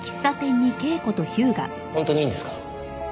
本当にいいんですか？